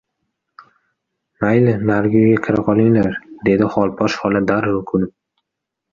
— Mayli, narigi uyga kira qolinglar, — dedi Xolposh xola darrov ko‘nib.